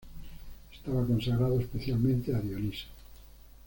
Estaba consagrado especialmente a Dioniso.